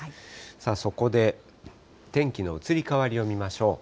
さあ、そこで天気の移り変わりを見ましょう。